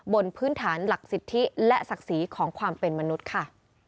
บนพื้นฐานหลักสิทธิและศักดิ์ศรีของความเป็นมนุษย์ค่ะ